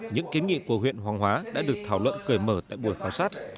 những kiến nghị của huyện hoàng hóa đã được thảo luận cởi mở tại buổi khảo sát